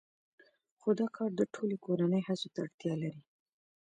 خو دا کار د ټولې کورنۍ هڅو ته اړتیا لري